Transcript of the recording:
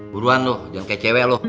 buruan loh jangan kayak cewek loh